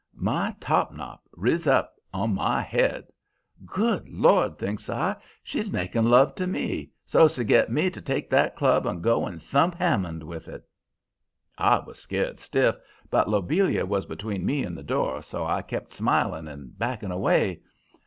"My topnot riz up on my head. 'Good Lord!' thinks I, 'she's making love to me so's to get me to take that club and go and thump Hammond with it!' "I was scared stiff, but Lobelia was between me and the door, so I kept smiling and backing away.